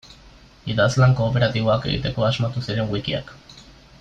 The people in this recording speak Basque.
Idazlan kooperatiboak egiteko asmatu ziren wikiak.